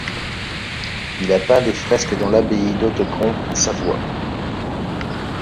Il a peint des fresques dans l'abbaye d'Hautecombe en Savoie.